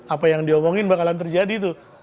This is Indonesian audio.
apa yang diomongin bakalan terjadi tuh